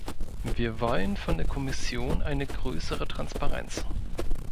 Wir wollen von der Kommission eine größere Transparenz.